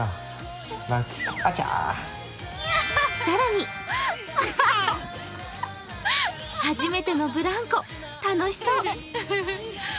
更に初めてのブランコ、楽しそう。